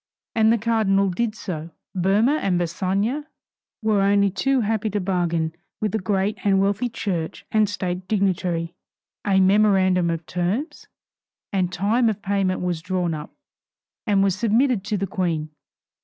And the cardinal did so. Boehmer and Bassange were only too happy to bargain with the great and wealthy church and state dignitary. A memorandum of terms and time of payment was drawn up, and was submitted to the Queen.